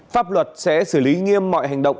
pháp luật sẽ xử lý nghiêm mọi hành động